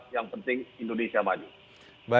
yang penting indonesia maju